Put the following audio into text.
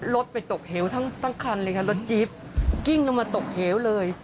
รถไปตกเหวทั้งคันเลยค่ะรถจี๊บกิ้งลงมาตกเหวเลย